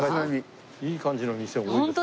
いい感じの店多いですね。